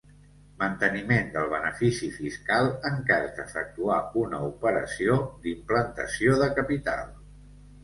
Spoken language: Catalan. Manteniment del benefici fiscal en cas d'efectuar una operació d'implantació de capital.